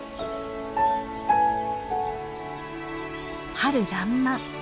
春らんまん。